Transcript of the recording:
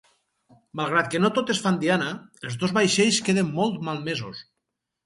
Malgrat que no totes fan diana, els dos vaixells queden molt malmesos.